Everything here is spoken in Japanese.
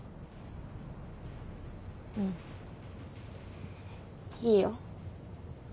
うんいいよ。